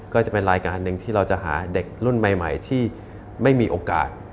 ก็จะเป็นรายการหนึ่งที่เราจะหาเด็กรุ่นใหม่ที่ไม่มีโอกาส